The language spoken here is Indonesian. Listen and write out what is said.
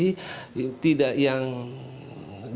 tidak yang di luar juga tidak bisa diperlukan